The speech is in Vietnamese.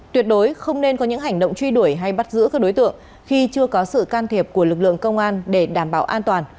tuyệt đối không nên có những hành động truy đuổi hay bắt giữ các đối tượng khi chưa có sự can thiệp của lực lượng công an để đảm bảo an toàn